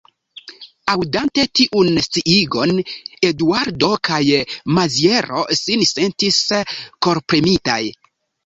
Aŭdante tiun sciigon, Eduardo kaj Maziero sin sentis korpremitaj.